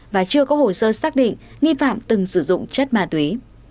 và chưa có hồ sơ xác định nghi phạm từng sử dụng chất ma túy